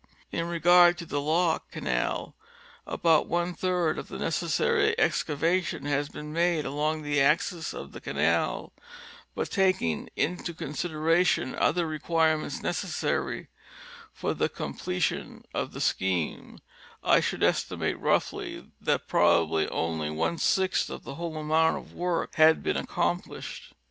In regard to the lock, canal about one third of the necessary excavation has been made along the axis of the canal, but taking into consideration other requirements necessary for the comple tion of the scheme, I should estimate, roughly, that probably only one sixth of the whole amount of work had been accomplished.